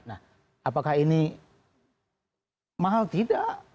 nah apakah ini mahal tidak